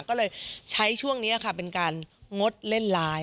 ก็เลยใช้ช่วงนี้ค่ะเป็นการงดเล่นไลน์